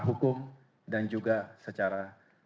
hukum dan juga secara